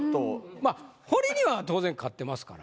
まあ堀には当然勝ってますから。